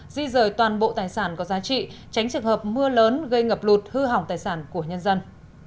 di rời toàn bộ tài sản có giá trị tránh trường hợp mưa lớn gây ngập lụt hư hỏng tài sản của nhân dân